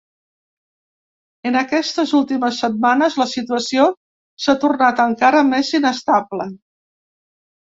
En aquestes últimes setmanes, la situació s’ha tornat encara més inestable.